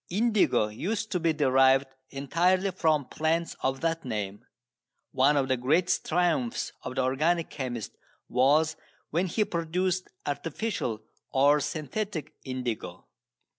Indigo used to be derived entirely from plants of that name. One of the greatest triumphs of the organic chemist was when he produced artificial or synthetic indigo.